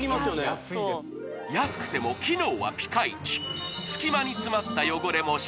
安いです安くても機能はピカイチ！